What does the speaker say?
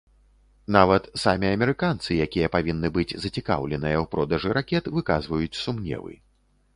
Нават самі амерыканцы, якія павінны быць зацікаўленыя ў продажы ракет, выказваюць сумневы.